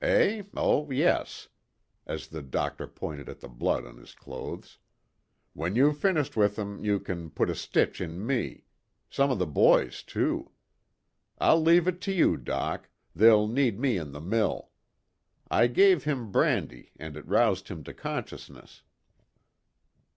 Eh? oh, yes," as the doctor pointed at the blood on his clothes. "When you've finished with him you can put a stitch in me some of the boys too. I'll leave you to it, Doc, they'll need me in the mill. I gave him brandy, and it roused him to consciousness."